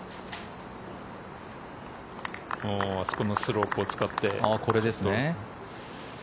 あそこのスロープを使って。